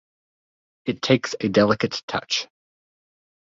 It takes a delicate touch.